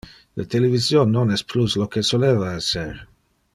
Le television non es plus lo que soleva esser.